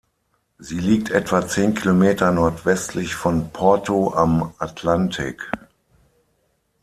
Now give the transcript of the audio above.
Sie liegt etwa zehn Kilometer nordwestlich von Porto am Atlantik.